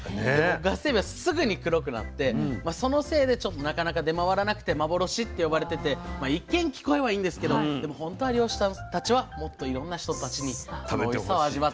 ガスエビはすぐに黒くなってそのせいでなかなか出回らなくて幻って呼ばれてて一見聞こえはいいんですけどでも本当は漁師さんたちはもっといろんな人たちにこのおいしさを味わってもらいたいと。